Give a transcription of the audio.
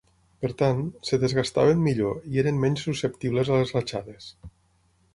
Per tant, es "desgastaven" millor i eren menys susceptibles a les ratxades.